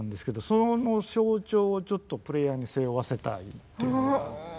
その象徴をちょっとプレイヤーに背負わせたいというのがあって。